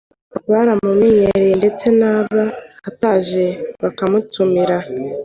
Baramumenyera ndetse yaba ataje bakamutumira